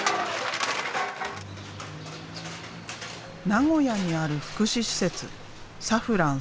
名古屋にある福祉施設さふらん